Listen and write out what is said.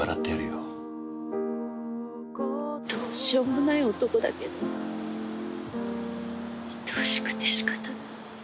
どうしようもない男だけどいとおしくて仕方ない。